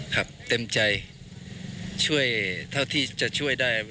ครับเต็มใจช่วยเท่าที่จะช่วยได้